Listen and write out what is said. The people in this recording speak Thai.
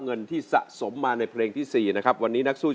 หยุดครับหยุดครับหยุดครับ